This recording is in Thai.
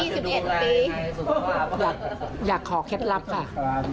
อีกยี่สิบเอ็นต์ปีอยากขอเคล็ดลับค่ะ